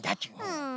うん。